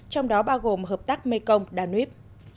trong đó bao gồm hợp tác mekong đà nuyếp